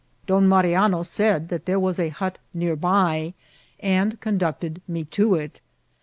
Don Mari ano said that there was a hut near by, and conducted me to it.